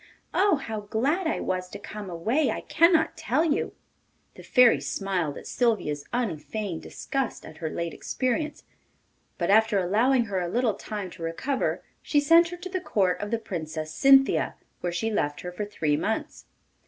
Oh! how glad I was to come away I cannot tell you.' The Fairy smiled at Sylvia's unfeigned disgust at her late experience; but after allowing her a little time to recover she sent her to the Court of the Princess Cynthia, where she left her for three months.